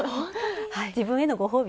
自分へのご褒美。